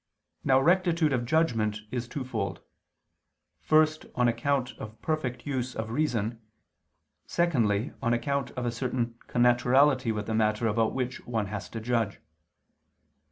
Now rectitude of judgment is twofold: first, on account of perfect use of reason, secondly, on account of a certain connaturality with the matter about which one has to judge.